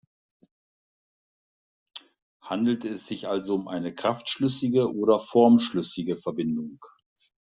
Handelt es sich also um eine kraftschlüssige oder formschlüssige Verbindung?